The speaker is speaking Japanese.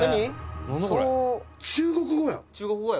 双」「中国語や！」